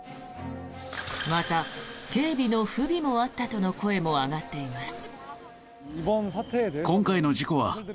また、警備の不備もあったとの声も上がっています。